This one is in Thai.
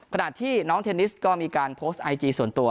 ขณะที่น้องเทนนิสก็มีการโพสต์ไอจีส่วนตัว